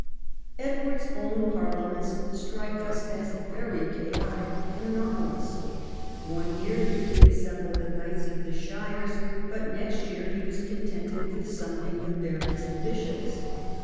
Edward's early parliaments strike us as very chaotic and anomalous. One year the king assembled the knights of the shires, but next year he was contented with sum moning the barons and bishops.